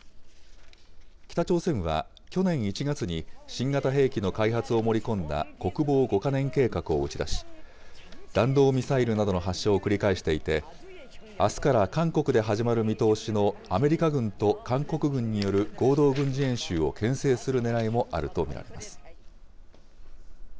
北朝鮮は、去年１月に、新型兵器の開発を盛り込んだ国防５か年計画を打ち出し、弾道ミサイルなどの発射を繰り返していて、あすから韓国で始まる見通しのアメリカ軍と韓国軍による合同軍事演習をけん制するねらいもあると見られます。